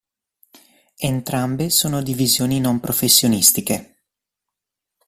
Entrambe sono divisioni non professionistiche.